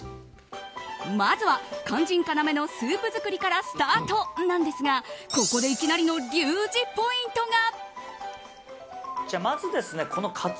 まずは肝心要のスープ作りからスタートなんですがここでいきなりのリュウジポイントが。